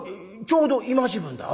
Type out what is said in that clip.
ちょうど今時分だ。